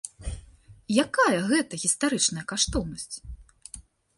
Якая гэта гістарычная каштоўнасць?